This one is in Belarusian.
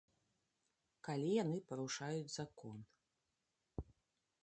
Калі яны парушаюць закон.